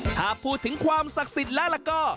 ถ้าพูดถึงความศักดิ์สิทธิ์แล้วก็